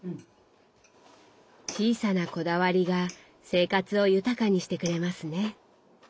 小さなこだわりが生活を豊かにしてくれますね。